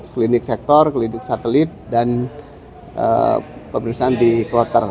klinik sektor klinik satelit dan pemeriksaan di kloter